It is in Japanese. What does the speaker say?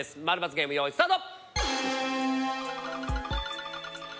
○×ゲームよいスタート！